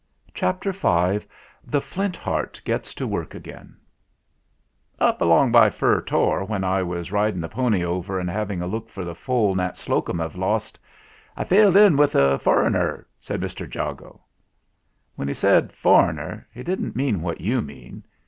CHAPTER V THE FLINT HEART GETS TO WORK AGAIN "Up along by Fur Tor, when I was riding the pony over and having a look for the foal Nat Slocombe have lost, I failed in with a foreigner/' said Mr. Jago. When he said "foreigner," he didn't mean what you mean.